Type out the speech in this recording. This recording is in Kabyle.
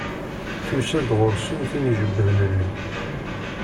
Tusa-d ɣur-sen tin ijebbden allen.